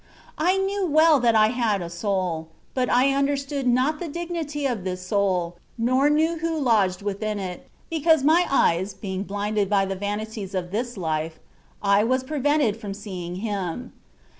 I knew well that I had a soul; but I understood not the dignity of this soul, nor knew who lodged within it, because my eyes being blinded by the vanities of this life, I was prevented from seeing Him.